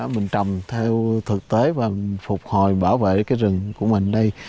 mình trồng theo thực tế và phục hồi bảo vệ cái rừng của mình đây